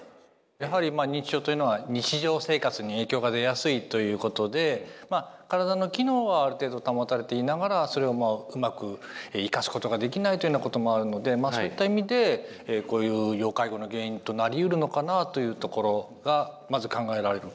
やはり認知症というのは日常生活に影響が出やすいということでまあ体の機能はある程度保たれていながらそれをうまく生かすことができないというようなこともあるのでまあそういった意味でこういう要介護の原因となりうるのかなあというところがまず考えられる。